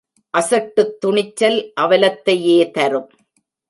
அசட்டுத் துணிச்சல் அவலத்தையே தரும்.